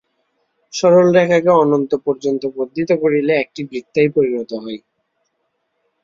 সরলরেখাকে অনন্ত পর্যন্ত বর্ধিত করিলে একটি বৃত্তেই পরিণত হয়।